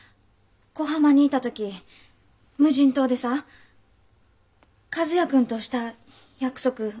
小浜にいた時無人島で和也君とした約束覚えてる？